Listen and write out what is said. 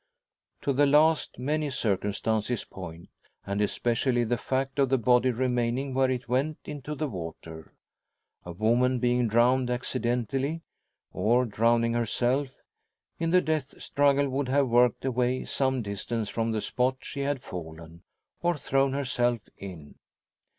To the last many circumstances point, and especially the fact of the body remaining where it went into the water. A woman being drowned accidentally, or drowning herself, in the death struggle would have worked away some distance from the spot she had fallen, or thrown herself in.